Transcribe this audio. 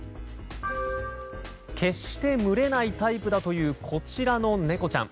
決して群れないタイプだというこちらの猫ちゃん。